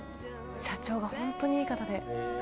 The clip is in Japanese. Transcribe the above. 社長が本当にいい方で。